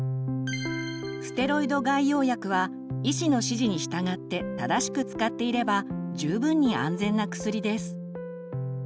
ステロイド外用薬は医師の指示に従って正しく使っていれば十分に安全な薬です。